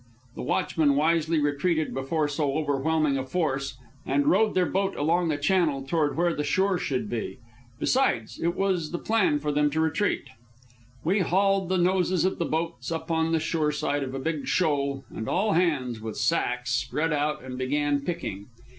The watchmen wisely retreated before so overwhelming a force, and rowed their boat along the channel toward where the shore should be. Besides, it was in the plan for them to retreat. We hauled the noses of the boats up on the shore side of a big shoal, and all hands, with sacks, spread out and began picking.